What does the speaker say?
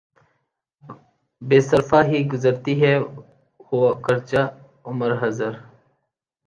بے صرفہ ہی گزرتی ہے ہو گرچہ عمر خضر